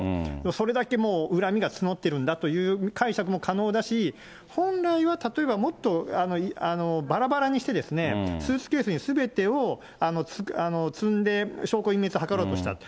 それだけもう恨みが募っているんだという解釈も可能だし、本来は、例えば、もっとばらばらにしてですね、スーツケースにすべてをつんで、証拠隠滅を図ろうとしたと。